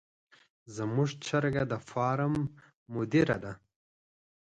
زموږ چرګه د فارم مدیره ده.